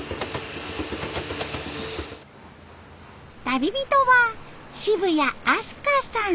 旅人は渋谷飛鳥さん。